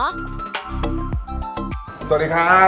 สวัสดีครับ